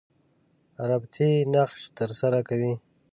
ربطي نقش تر سره کوي.